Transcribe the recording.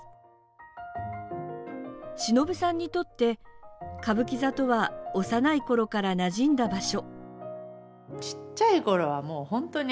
しのぶさんにとって歌舞伎座とは幼いころからなじんだ場所。